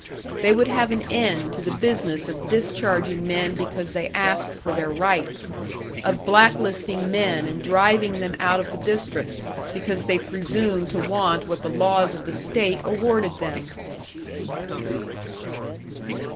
They would have an end to the business of discharging men because they asked for their rights, of blacklisting men and driving them out of the district because they presumed to want what the laws of the state awarded them!